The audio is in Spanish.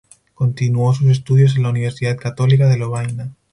Continuó sus estudios en la Universidad Católica de Lovaina.